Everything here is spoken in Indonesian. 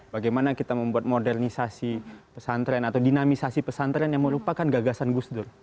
bagaimana kita membuat modernisasi pesantren atau dinamisasi pesantren yang merupakan gagasan gus dur